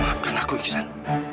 maafkan aku iksan